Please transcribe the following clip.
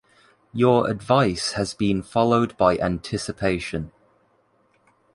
Your advice has been followed by anticipation.